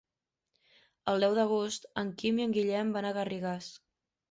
El deu d'agost en Quim i en Guillem van a Garrigàs.